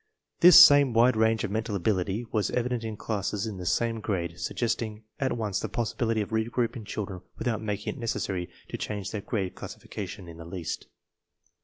This same wide range of mental ability was evident in classes in the same grade, suggesting at once the possibility of re grouping children without making it necessary to change their grade classification in the least.